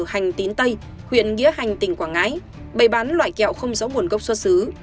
hành tín tây huyện nghĩa hành tỉnh quảng ngãi bày bán loại kẹo không rõ nguồn gốc xuất xứ